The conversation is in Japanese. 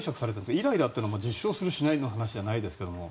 イライラというのは実証する、しないの話じゃないですけれども。